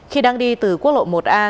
khi đang đi từ quốc lộ một a